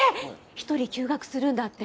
１人休学するんだって！